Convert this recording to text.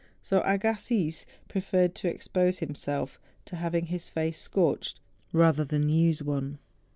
So Agassiz preferred to expose him¬ self to having his face scorched rather than use one.